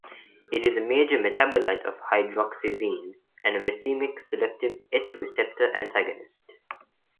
It is a major metabolite of hydroxyzine, and a racemic selective H receptor antagonist.